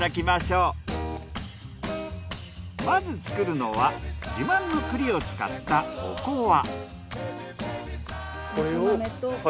まず作るのは自慢の栗を使ったおこわ。